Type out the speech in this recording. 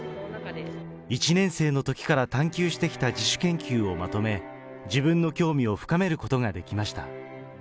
一年生のときから探求してきた自主研究をまとめ、自分の興味を深めることができました。